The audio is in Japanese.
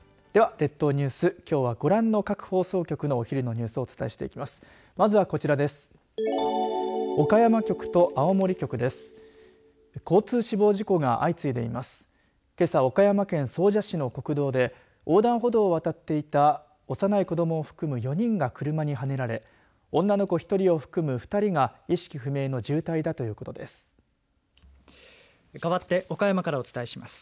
では列島ニュース、きょうはご覧の各地の放送局のお伝えしていきます。